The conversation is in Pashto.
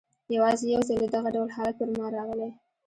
یوازي یو ځلې دغه ډول حالت پر ما راغلی.